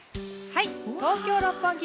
東京・六本木